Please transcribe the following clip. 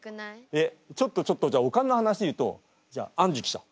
えっちょっとちょっとじゃお金の話言うとじゃあんじゅ記者！